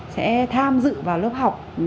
sẽ tham dự vào lớp học